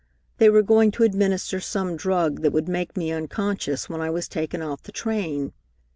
They were going to administer some drug that would make me unconscious when I was taken off the train.